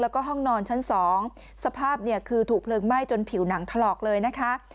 แล้วก็ห้องนอนชั้นสองสภาพเนี่ยคือถูกเพลิงไหม้จนผิวหนังถลอกเลยนะคะ